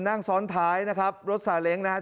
นั่งซ้อนท้ายนะครับรถซาเล้งนะครับ